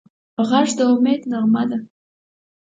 غږ د امید نغمه ده